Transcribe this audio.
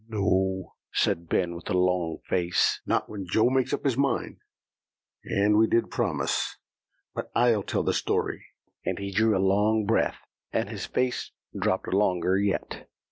"No," said Ben with a long face, "not when Joe makes up his mind. And we did promise. But I'll tell the story." And he drew a long breath, and his face dropped longer yet.